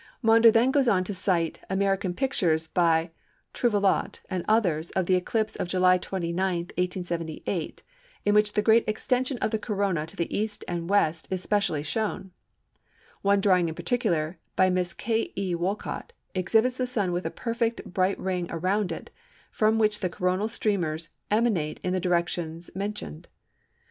Maunder then goes on to cite certain American pictures by Trouvelot and others of the eclipse of July 29, 1878, in which the great extension of the Corona to the East and the West is specially shown. One drawing in particular, by Miss K. E. Wolcott, exhibits the Sun with a perfect bright ring round it from which the Coronal streamers emanate in the directions mentioned.